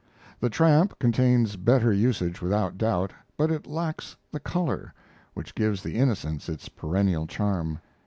The 'Tramp' contains better usage without doubt, but it lacks the "color" which gives the Innocents its perennial charm.